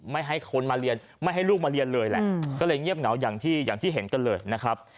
ไม่ให้คนมาเรียนไม่ให้ลูกมาเรียนเลยแหละก็เลยเงียบเหงาอย่างที่อย่างที่เห็นกันเลยนะครับ